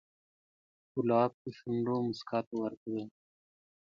ګلاب د شونډو موسکا ته ورته دی.